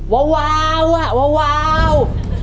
วาววาวอ่ะวาววาว